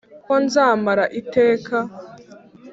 ko nzamara iteka